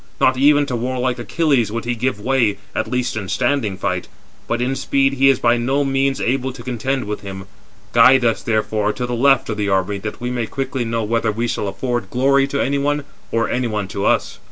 Not even to warlike Achilles would he give way, at least in standing fight; but in speed he is by no means able to contend with him. Guide us, therefore, to the left of the army that we may quickly know whether we shall afford glory to any one, or any one to us."